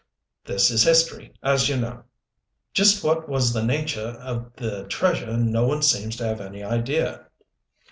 This is history, as you know. Just what was the nature of the treasure no one seems to have any idea.